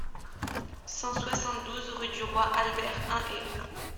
cent soixante-douze rue du Roi Albert un er